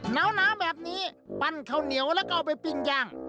หนาวแบบนี้ปั้นข้าวเหนียวแล้วก็เอาไปปิ้งย่าง